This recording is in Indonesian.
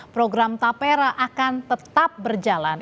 program tapera akan tetap berjalan